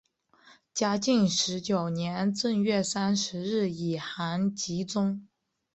嘉靖十九年正月三十日以寒疾终。